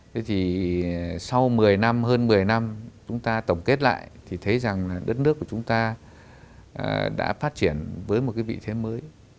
thế thì sau một mươi năm hơn một mươi năm chúng ta tổng kết lại thì thấy rằng là đất nước của chúng ta đã phát triển với một cái vị thế mới